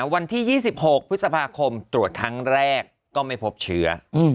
วันที่๒๖พฤษภาคมตรวจครั้งแรกก็ไม่พบเชื้อ